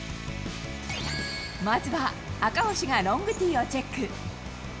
まずは、赤星がロングティーをチェック。